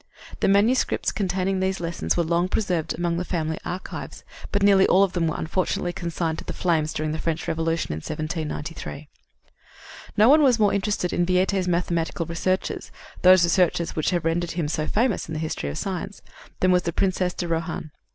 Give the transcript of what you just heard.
The manuscripts containing these lessons were long preserved among the family archives, but nearly all of them were unfortunately consigned to the flames during the French Revolution in 1793. No one was more interested in Viète's mathematical researches those researches which have rendered him so famous in the history of science than was the Princess de Rohan.